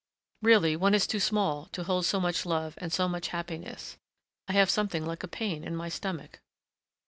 Really, one is too small to hold so much love and so much happiness! I have something like a pain in my stomach."